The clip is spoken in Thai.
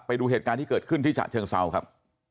ไปดูเหตุการณ์ที่เกิดขึ้นที่ฉะเชิงเซาครับ